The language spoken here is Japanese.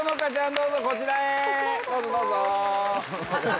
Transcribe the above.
どうぞこちらへどうぞどうぞ。